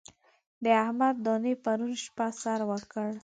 د احمد دانې پرون شپه سر وکړ.